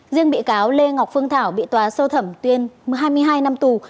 riêng bị cáo lê ngọc phương thảo bị tòa sơ thẩm tuyên hai mươi hai năm tù